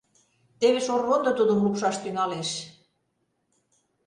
Теве шорвондо тудым лупшаш тӱҥалеш...